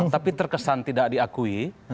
tapi terkesan tidak diakui